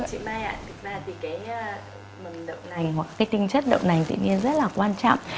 thì cái mầm đậu nành hoặc cái tinh chất đậu nành tự nhiên rất là quan trọng